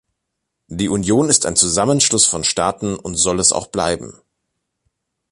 Die Union ist ein Zusammenschluss von Staaten und soll es auch bleiben.